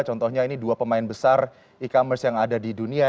contohnya ini dua pemain besar e commerce yang ada di dunia